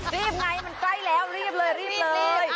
รีบไงมันใกล้แล้วรีบเลย